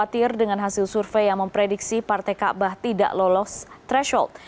khawatir dengan hasil survei yang memprediksi partai kaabah tidak lolos threshold